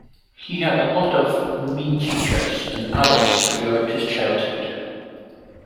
He had a lot of mean teachers and adults throughout his childhood.